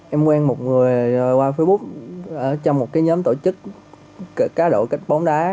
em quen một người qua facebook trong một cái nhóm tổ chức cá độ cách bóng đá